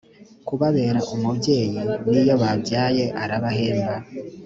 kubabera umubyeyi n iyo babyaye arabahemba